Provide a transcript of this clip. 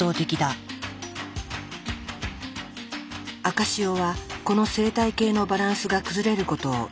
赤潮はこの生態系のバランスが崩れることを意味する。